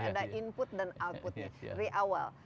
ada input dan output dari awal